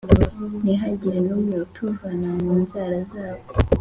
ntihagire n’umwe utuvana mu nzara zabo.